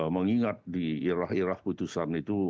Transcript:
mengingat di irah irah putusan itu